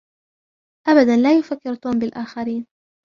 أبدًا لا يفكّر توم بالآخرين.